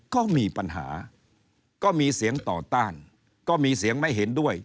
ก็มีปัญหาก็มีเสียงต่อต้านก็มีเสียงไม่เห็นด้วย